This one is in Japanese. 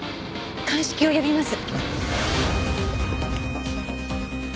鑑識を呼びます。